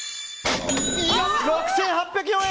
６８０４円！